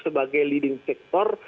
sebagai leading sector